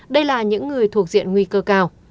đây là những người thuộc diện nguy cơ cao